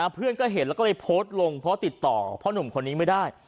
เพื่อนก็เห็นแล้วก็เลยโพสต์ลงเพราะติดต่อพ่อหนุ่มคนนี้ไม่ได้